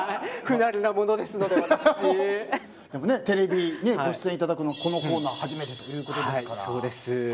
テレビご出演いただくのはこのコーナー初めてということですから。